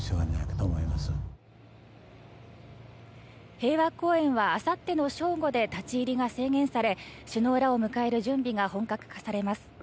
平和公園はあさっての正午で立ち入りが制限され首脳らを迎える準備が本格化されます。